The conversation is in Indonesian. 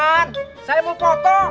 ya baik pak